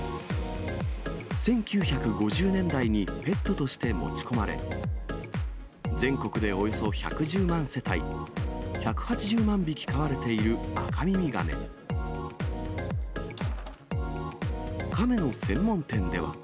１９５０年代にペットとして持ち込まれ、全国でおよそ１１０万世帯、１８０万匹飼われているアカミミガメ。